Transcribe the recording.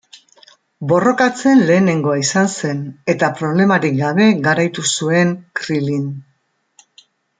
Borrokatzen lehenengoa izan zen eta problemarik gabe garaitu zuen Krilin.